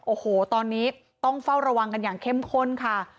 โอ้โหตอนนี้ต้องเฝ้าระวังกันอย่างเข้มข้นค่ะ